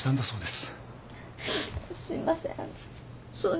すいませんあの。